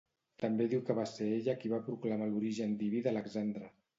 També diu que va ser ella qui va proclamar l'origen diví d'Alexandre.